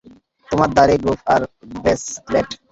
তোমার দাড়ি, গোঁফ আর ব্রেসলেট।